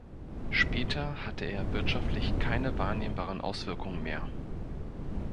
Später hatte er wirtschaftlich keine wahrnehmbaren Auswirkungen mehr.